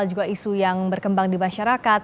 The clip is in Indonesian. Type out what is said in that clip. juga isu yang berkembang di masyarakat